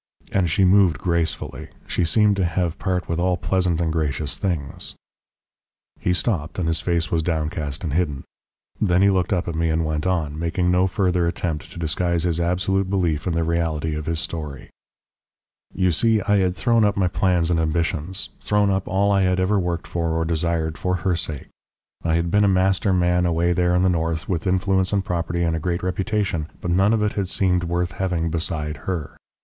And she moved gracefully, she seemed to have part with all pleasant and gracious things " He stopped, and his face was downcast and hidden. Then he looked up at me and went on, making no further attempt to disguise his absolute belief in the reality of his story. "You see, I had thrown up my plans and ambitions, thrown up all I had ever worked for or desired for her sake. I had been a master man away there in the north, with influence and property and a great reputation, but none of it had seemed worth having beside her.